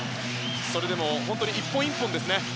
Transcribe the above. それでも１本１本ですね。